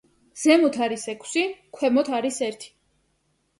ზემოთ არის ექვსი, ქვემოთ არის ერთი.